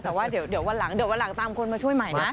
แต่ว่าเดี๋ยววันหลังตามคนมาช่วยใหม่นะ